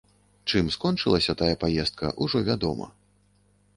Чым скончылася тая паездка, ужо вядома.